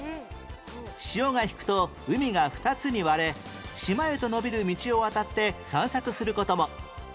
潮が引くと海が２つに割れ島へと延びる道を渡って散策する事も